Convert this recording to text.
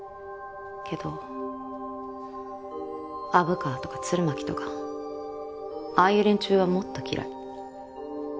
けど虻川とか鶴巻とかああいう連中はもっと嫌い。